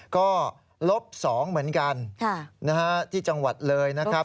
ก็ลบ๒เหมือนกันที่จังหวัดเลยนะครับ